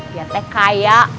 dia teh kaya